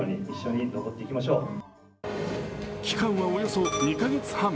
期間はおよそ２カ月半。